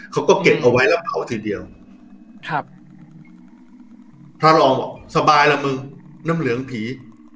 เขาก็เก็บเอาไว้แล้วเผาทีเดียวครับพระรองบอกสบายแล้วมึงน้ำเหลืองผี